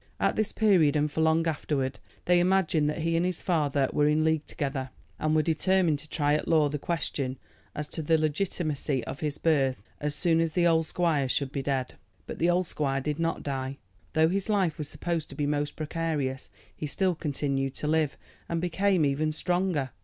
At this period, and for long afterward, they imagined that he and his father were in league together, and were determined to try at law the question as to the legitimacy of his birth as soon as the old squire should be dead. But the old squire did not die. Though his life was supposed to be most precarious he still continued to live, and became even stronger.